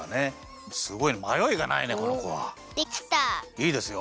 いいですよ。